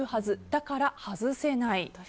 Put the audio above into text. だから外せない。